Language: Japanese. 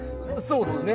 そうですね。